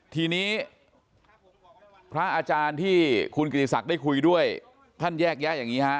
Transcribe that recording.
ทีนี้พระอาจารย์ที่คุณกิติศักดิ์ได้คุยด้วยท่านแยกแยะอย่างนี้ฮะ